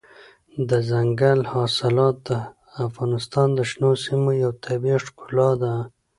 دځنګل حاصلات د افغانستان د شنو سیمو یوه طبیعي ښکلا ده.